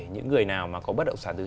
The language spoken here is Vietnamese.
những người nào mà có bất động sản thứ hai